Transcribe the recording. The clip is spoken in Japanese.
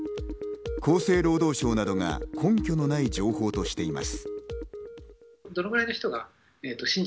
厚生労働省などが根拠のない情報としています。